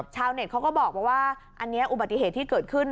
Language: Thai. เน็ตเขาก็บอกว่าอันนี้อุบัติเหตุที่เกิดขึ้น